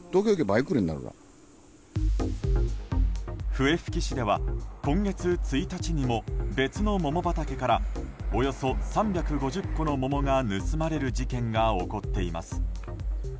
笛吹市では今月１日にも別の桃畑からおよそ３５０個の桃が盗まれる事件が起こっています。